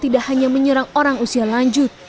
tidak hanya menyerang orang usia lanjut